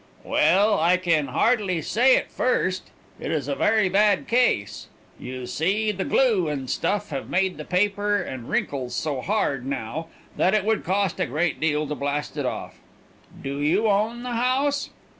"Well, I can hardly say at first. It is a very bad case. You see, the glue and stuff have made the paper and wrinkles so hard now, that it would cost a great deal to blast it off. Do you own the house?"